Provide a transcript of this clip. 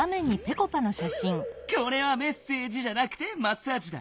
これは「メッセージ」じゃなくて「マッサージ」だ！